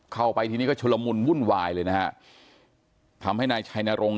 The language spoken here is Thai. เข้าไปทีนี้ก็ชุลมุนวุ่นวายเลยนะฮะทำให้นายชัยนรงค